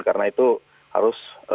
karena itu harus